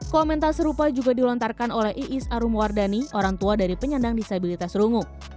komentar serupa juga dilontarkan oleh iis arumwardani orang tua dari penyandang disabilitas rungu